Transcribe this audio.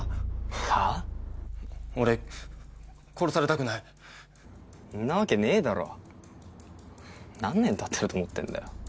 俺殺されたくないんなわけねえだろ何年たってると思ってんだよ